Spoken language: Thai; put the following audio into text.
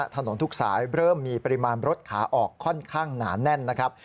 ถนนทุกสายเริ่มมีปริมาณรถขาออกค่อนข้างหนาแน่นนะครับ